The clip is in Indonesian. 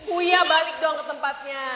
uya balik dong ke tempatnya